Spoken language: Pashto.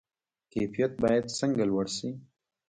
کیفیت باید څنګه لوړ شي؟